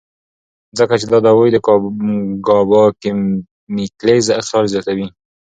ځکه چې دا دوائي د ګابا کېميکلز اخراج زياتوي